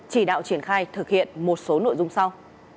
chỉ đạo triển khai thực hiện một số nội dung sau